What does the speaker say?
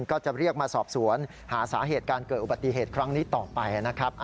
ก็จะเรียกมาสอบสวนหาสาเหตุการเกิดอุบัติเหตุครั้งนี้ต่อไปนะครับ